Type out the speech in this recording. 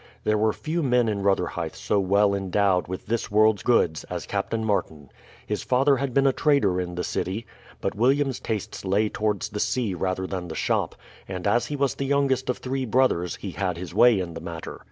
There were few men in Rotherhithe so well endowed with this world's goods as Captain Martin. His father had been a trader in the city, but William's tastes lay towards the sea rather than the shop, and as he was the youngest of three brothers he had his way in the matter.